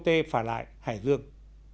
tại trạm bot phà lại hải dương